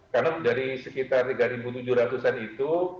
karena dari sekitar tiga tujuh ratus an itu